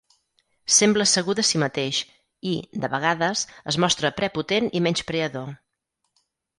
Sembla segur de si mateix i, de vegades, es mostra prepotent i menyspreador.